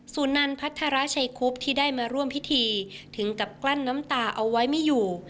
สุนันพัฒนาชัยคุบที่ได้มาร่วมพิธีถึงกับกลั้นน้ำตาเอาไว้ไม่อยู่